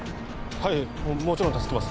はいもちろん助けます